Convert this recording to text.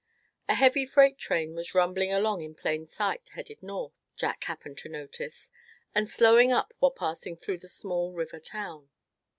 A heavy freight train was rumbling along in plain sight, headed north, Jack happened to notice; and slowing up while passing through the small river town.